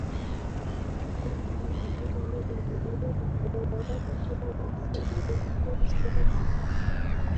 Huku mamia ya maelfu ya watu wakijitokeza lakini